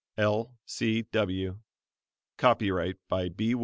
'" L. C. W. _Copyright by B.